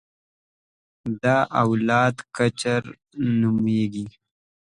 دا اولاد کچر نومېږي.